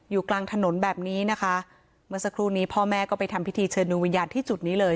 กลางถนนแบบนี้นะคะเมื่อสักครู่นี้พ่อแม่ก็ไปทำพิธีเชิญดูวิญญาณที่จุดนี้เลย